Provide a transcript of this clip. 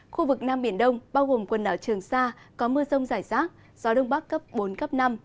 khu vực nam biển đông bao gồm quần đảo trường sa có mưa rông rải rác gió đông bắc cấp bốn cấp năm